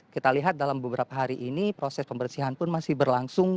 kita lihat dalam beberapa hari ini proses pembersihan pun masih berlangsung